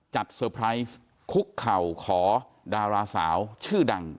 เซอร์ไพรส์คุกเข่าขอดาราสาวชื่อดัง